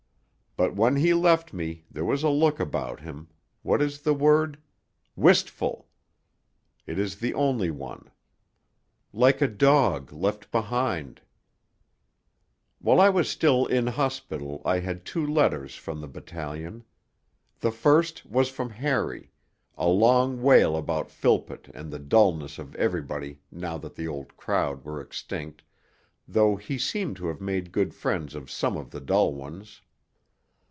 But when he left me there was a look about him what is the word? wistful it is the only one, like a dog left behind. While I was still in hospital I had two letters from the battalion. The first was from Harry, a long wail about Philpott and the dullness of everybody now that the Old Crowd were extinct, though he seemed to have made good friends of some of the dull ones.